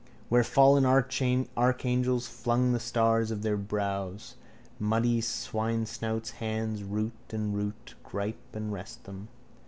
Where fallen archangels flung the stars of their brows. Muddy swinesnouts, hands, root and root, gripe and wrest them.